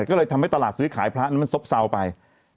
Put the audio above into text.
ก็เลยทำให้ตลาดซื้อขายพระนั้นมันซบเซาไป